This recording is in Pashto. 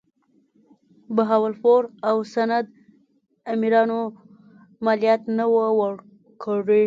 بهاولپور او سند امیرانو مالیات نه وه ورکړي.